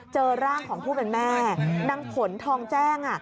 เจอร่างของผู้เป็นแม่นางผลทองแจ้ง